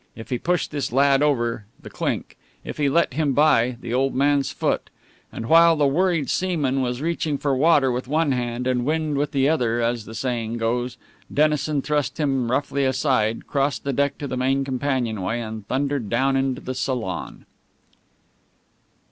If he pushed this lad over, the clink; if he let him by, the old man's foot. And while the worried seaman was reaching for water with one hand and wind with the other, as the saying goes, Dennison thrust him roughly aside, crossed the deck to the main companionway, and thundered down into the salon.